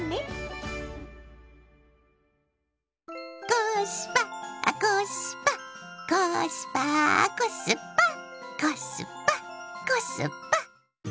コースパコスパコスパーコスパコスパコスパ。